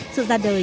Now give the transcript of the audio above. sự ra đời